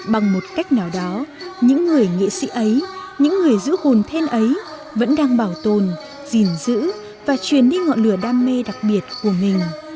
bằng một cách nào đó những người nghệ sĩ ấy những người giữ hồn then ấy vẫn đang bảo tồn gìn giữ và truyền đi ngọn lửa đam mê đặc biệt của mình